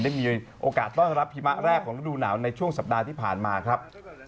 ได้มีโอกาสต้อนรับหิมะแรกของฤดูหนาวในช่วงสัปดาห์ที่ผ่านมาครับ